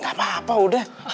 gak apa apa udah